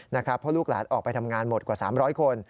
เพราะลูกหลานออกไปทำงานหมดกว่า๓๐๐คน